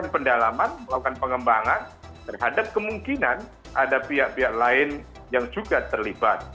pendalaman melakukan pengembangan terhadap kemungkinan ada pihak pihak lain yang juga terlibat